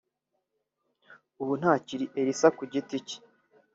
ubu ntakiri Elsa ku giti cye